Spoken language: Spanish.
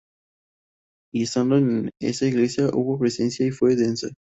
Y estando en esa iglesia, hubo presencia y fue densa.